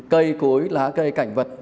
cây cối lá cây cảnh vật